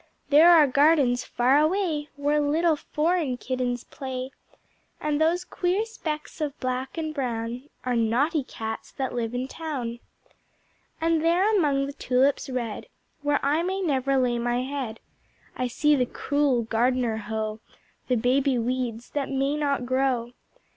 There are the Gardens far away, Where little Foreign Kittens play, And those queer specks of black and brown Are naughty cats that live in Town. And there among the tulips red, Where I may never lay my head, I see the Cruel Gardener hoe The baby weeds that may not grow.